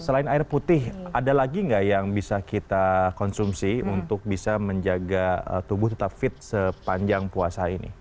selain air putih ada lagi nggak yang bisa kita konsumsi untuk bisa menjaga tubuh tetap fit sepanjang puasa ini